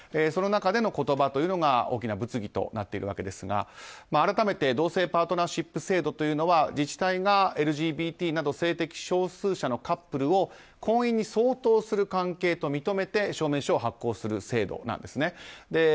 その中での言葉というのが大きな物議となってるわけですが改めて同性パートナーシップ制度というのは自治体がＬＧＢＴなど性的少数者のカップルを婚姻に相当する関係と認めて証明書を発行する制度です。